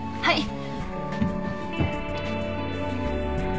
はい。